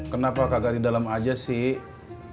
kenapa kagak di dalam aja sih